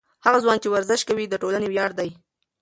هغه ځوان چې ورزش کوي، د ټولنې ویاړ دی.